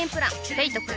ペイトク